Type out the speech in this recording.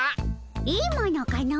いいものかの？